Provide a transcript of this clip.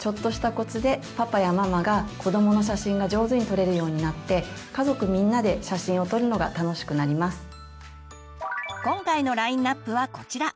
ちょっとしたコツでパパやママが子どもの写真が上手に撮れるようになって今回のラインアップはこちら。